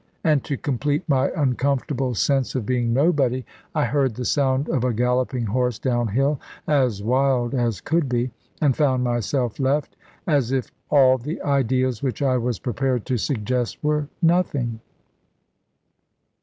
And to complete my uncomfortable sense of being nobody, I heard the sound of a galloping horse downhill as wild as could be, and found myself left as if all the ideas which I was prepared to suggest were nothing.